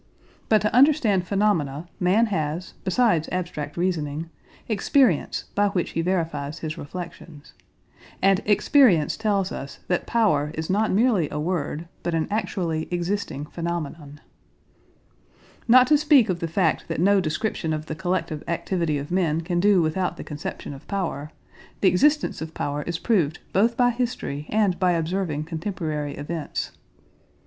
But to understand phenomena man has, besides abstract reasoning, experience by which he verifies his reflections. And experience tells us that power is not merely a word but an actually existing phenomenon. Not to speak of the fact that no description of the collective activity of men can do without the conception of power, the existence of power is proved both by history and by observing contemporary events.